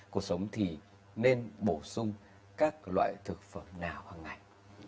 cuộc sống thì nên bổ sung các loại thực phẩm nào hằng ngày